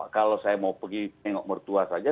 kalau saya mau pergi tengok mertua saja